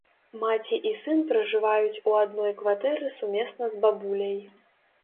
Маці і сын пражываюць у адной кватэры сумесна з бабуляй.